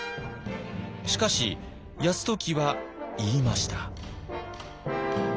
しかし泰時は言いました。